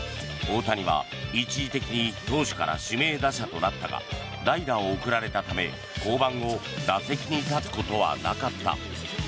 大谷は一時的に投手から指名打者となったが代打を送られたため降板後打席に立つことはなかった。